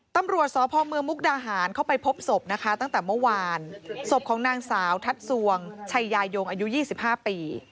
ตำรวจสพเมืองมุกดาหารเข้าไปพบศพนะคะตั้งแต่เมื่อวานศพของนางสาวทัศวงชัยยายงอายุ๒๕ปี